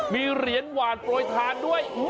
มีเหรียญหวานโปรยทานด้วย